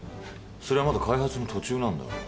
それはまだ開発の途中なんだから。